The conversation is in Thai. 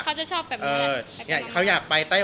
เขาจะชอบแบบนี้